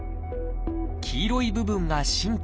黄色い部分が神経。